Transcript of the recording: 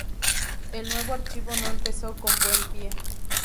El nuevo archivo no empezó con buen pie.